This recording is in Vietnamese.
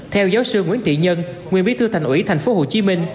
theo giáo sư nguyễn tị nhân nguyên bí thư thành ủy tp hcm